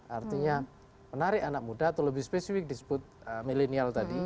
artinya menarik anak muda atau lebih spesifik disebut milenial tadi